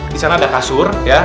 di sana ada kasur